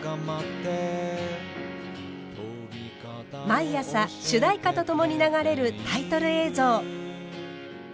毎朝主題歌と共に流れるタイトル映像。